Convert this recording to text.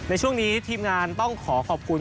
ในช่วงนี้ทีมงานต้องขอขอบคุณ